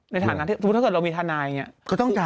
ในฐานะที่สมมุติถ้าเกิดเรามีทนายอย่างนี้